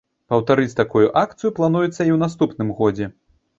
Паўтарыць такую акцыю плануецца і ў наступным годзе.